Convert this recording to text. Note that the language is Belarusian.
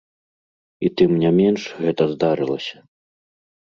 І тым не менш, гэта здарылася.